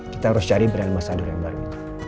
kita harus cari brand massador yang baru